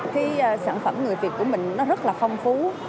cái sản phẩm người việt của mình nó rất là phong phú